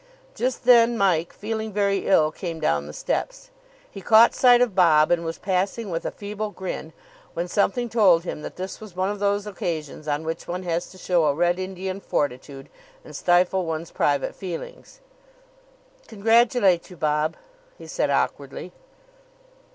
Just then, Mike, feeling very ill, came down the steps. He caught sight of Bob and was passing with a feeble grin, when something told him that this was one of those occasions on which one has to show a Red Indian fortitude and stifle one's private feelings. "Congratulate you, Bob," he said awkwardly.